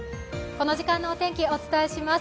この時間のお天気をお伝えします。